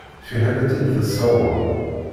Fiḥel ad tt-id-tessawweḍ.